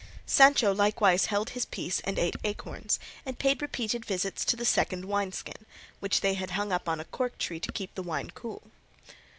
Sancho likewise held his peace and ate acorns, and paid repeated visits to the second wine skin, which they had hung up on a cork tree to keep the wine cool.